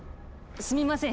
すみません